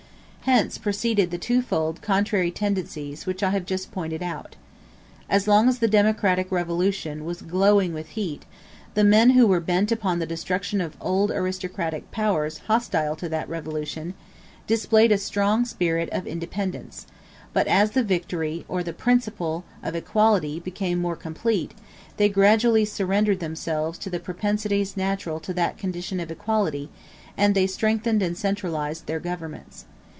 Hence proceeded the two fold contrary tendencies which I have just pointed out. As long as the democratic revolution was glowing with heat, the men who were bent upon the destruction of old aristocratic powers hostile to that revolution, displayed a strong spirit of independence; but as the victory or the principle of equality became more complete, they gradually surrendered themselves to the propensities natural to that condition of equality, and they strengthened and centralized their governments.